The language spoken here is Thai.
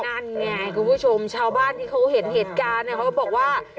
นั่นไงคุณผู้ชมชาวบ้านที่เขาเห็นเหตุการณ์เนี่ยเขาบอกว่า